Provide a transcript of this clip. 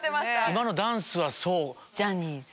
今のダンスはそう？